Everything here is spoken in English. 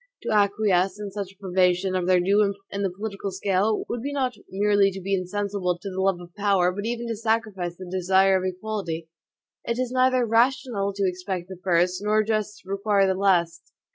To acquiesce in such a privation of their due importance in the political scale, would be not merely to be insensible to the love of power, but even to sacrifice the desire of equality. It is neither rational to expect the first, nor just to require the last.